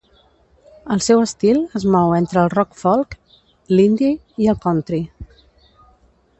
El seu estil es mou entre el rock folk, l'indie i el country.